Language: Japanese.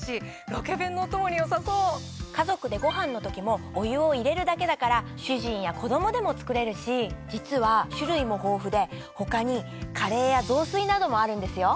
家族でご飯の時もお湯を入れるだけだから主人や子供でも作れるし実は種類も豊富で他にカレーや雑炊などもあるんですよ。